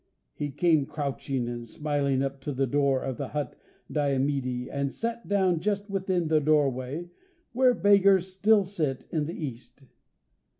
He came crouching and smiling up to the door of the hut of Diomede, and sat down just within the doorway, where beggars still sit in the East.